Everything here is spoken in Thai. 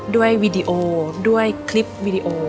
ด้วยวิดีโอด้วยคลิปวิดีโอ